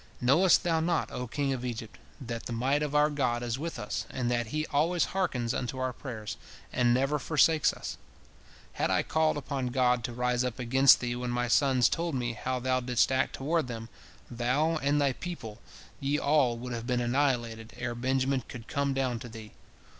"Knowest thou not, O king of Egypt, that the might of our God is with us, and that He always hearkens unto our prayers, and never forsakes us? Had I called upon God to rise up against thee when my sons told me how thou didst act toward them, thou and thy people, ye all would have been annihilated ere Benjamin could come down to thee.